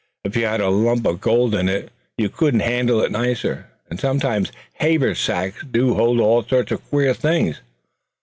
If you had a lump of gold in it you couldn't handle it nicer. And sometimes haversacks do hold all sorts of queer things.